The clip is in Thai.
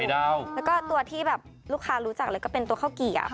แล้วก็ตัวที่แบบลูกค้ารู้จักเลยก็เป็นตัวข้าวเกียร์